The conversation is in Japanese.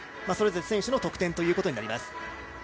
それぞれ選手の得点ということになります。